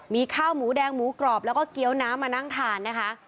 มีข้าวหมูแดงหมูกรอบแล้วก็เกี้ยวน้ำมานั่งทานนะคะ